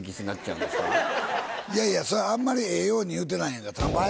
いやいやそれはあんまりええように言うてないやんか。